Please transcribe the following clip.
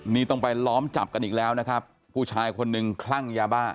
นี่ต้องไปล้อมจับกันอีกแล้วนะครับผู้ชายคนนึงคลั่งยาบ้า